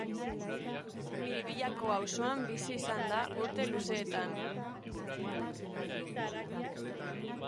Miribillako auzoan bizi izan da urte luzeetan.